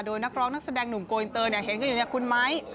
โดยนักร้องนักแสดงหนุ่มโกอินเตอร์เห็นกันอยู่เนี่ยคุณไม้